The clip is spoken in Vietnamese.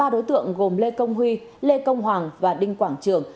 ba đối tượng gồm lê công huy lê công hoàng và đinh quảng trường